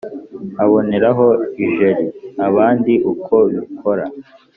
aboneraho ijeri.abandi uko bikora